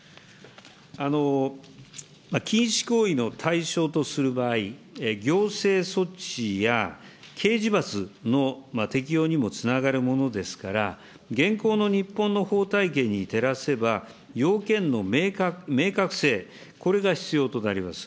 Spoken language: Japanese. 禁止行為の対象とする場合、行政措置や刑事罰の適用にもつながるものですから、現行の日本の法体系に照らせば要件の明確性、これが必要となります。